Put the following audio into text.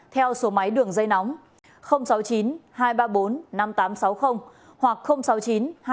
theo số máy đường dây nóng sáu mươi chín hai trăm ba mươi bốn năm nghìn tám trăm sáu mươi hoặc sáu mươi chín hai trăm ba mươi bốn năm nghìn tám trăm sáu mươi